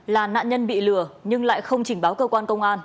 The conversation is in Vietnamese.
là nạn nhân bị lừa nhưng lại không trình báo cơ quan công an